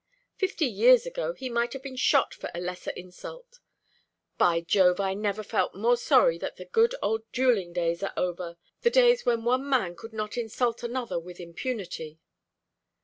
Fifty years ago he might have been shot for a lesser insult. By Jove, I never felt more sorry that the good old duelling days are over the days when one man could not insult another with impunity."